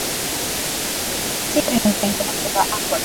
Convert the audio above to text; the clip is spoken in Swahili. Siri ni tengenezo la Apple